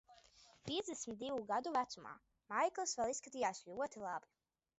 Piecdesmit divu gadu vecumā Maikls vēl izskatījās ļoti labi.